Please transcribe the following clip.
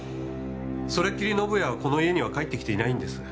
それっきり宣也はこの家には帰ってきていないんです。